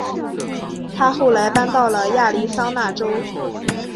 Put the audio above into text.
她后来搬到了亚利桑那州。